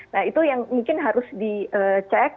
nah itu yang mungkin harus dicek